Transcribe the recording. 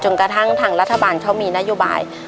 กระทั่งทางรัฐบาลเขามีนโยบาย